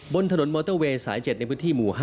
บนถนนมอเตอร์เวย์สาย๗ในพื้นที่หมู่๕